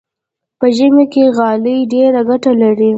په ژمي کې غالۍ ډېره ګټه لري.